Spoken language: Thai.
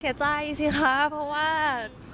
เสียใจสิคะเพราะว่า